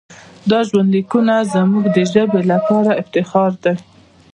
دا ژوندلیکونه زموږ د ژبې لپاره افتخار دی.